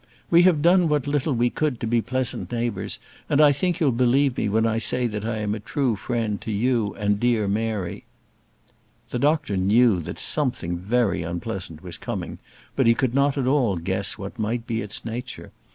"We have done what little we could to be pleasant neighbours, and I think you'll believe me when I say that I am a true friend to you and dear Mary " The doctor knew that something very unpleasant was coming, but he could not at all guess what might be its nature.